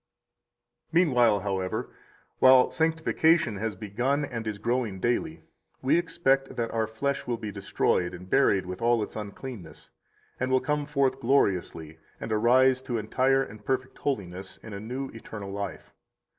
57 Meanwhile, however, while sanctification has begun and is growing daily, we expect that our flesh will be destroyed and buried with all its uncleanness, and will come forth gloriously, and arise to entire and perfect holiness in a new eternal life.